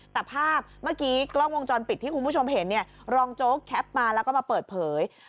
แต่ภาพเมื่อกี้กล้องวงจรปิดที่คุณผู้ชมเห็นเนี่ยรองโจ๊กแคปมาแล้วก็มาเปิดเผย